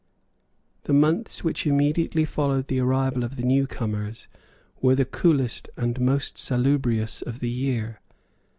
The months which immediately followed the arrival of the new comers were the coolest and most salubrious of the year.